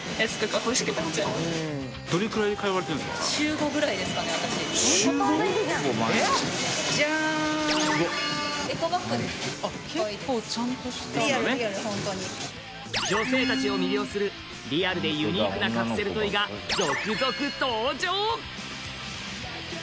かわいいです女性達を魅了するリアルでユニークなカプセルトイが続々登場！